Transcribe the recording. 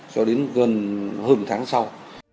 cho đến gần hơn một tháng sau